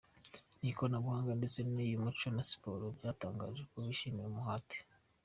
nIkoranabuhanga ndetse niyUmuco na Siporo byatangaje ko bishima umuhate.